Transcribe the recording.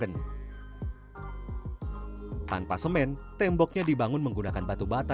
dan tanpa semen temboknya dibangun menggunakan batu bata